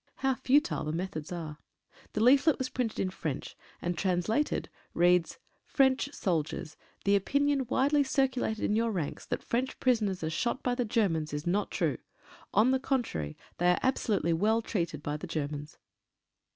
How futile the methods are? The leaflet was printed in French, and translated, reads: — "FRENCH SOLDIERS'. "The opinion widely circulated in your ranks that "French prisoners are shot by the Germans is not true. "On the contrary, they are absolutely well treated by "the Germans."